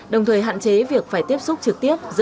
đồng thời hạn chế việc phải tiếp xúc trực tiếp giữa công dân